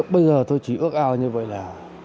bây giờ tôi chỉ ước ảo như vậy là